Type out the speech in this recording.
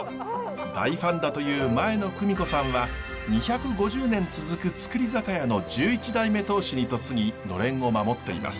大ファンだという前野久美子さんは２５０年続く造り酒屋の１１代目当主に嫁ぎのれんを守っています。